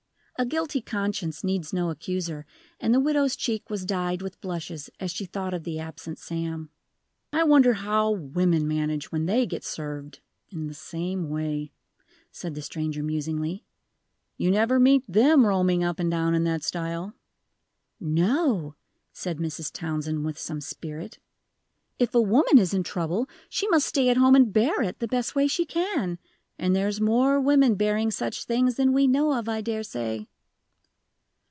A guilty conscience needs no accuser, and the widow's cheek was dyed with blushes as she thought of the absent Sam. "I wonder how women manage when they get served in the same way," said the stranger musingly; "you never meet them roaming up and down in that style." "No," said Mrs. Townsend, with some spirit, "if a woman is in trouble she must stay at home and bear it, the best way she can. And there's more women bearing such things than we know of, I dare say."